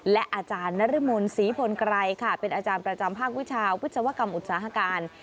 และอาจารย์นรมนศรีพลไกรค่ะเป็นอาจารย์ประจำภาควิชาวิศวกรรมอุตสาหการ